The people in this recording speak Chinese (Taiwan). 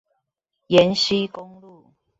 延溪公路